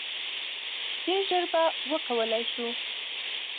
ډیر ژر به وکولای شو.